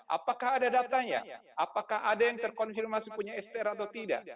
apakah ada datanya apakah ada yang terkonfirmasi punya str atau tidak